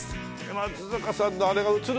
松坂さんのあれが映る。